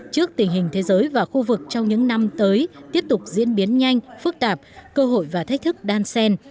trước tình hình thế giới và khu vực trong những năm tới tiếp tục diễn biến nhanh phức tạp cơ hội và thách thức đan sen